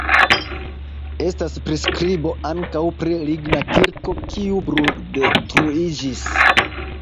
Estas priskribo ankaŭ pri ligna kirko, kiu bruldetruiĝis.